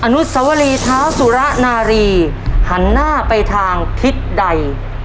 นุสวรีเท้าสุระนารีหันหน้าไปทางทิศใด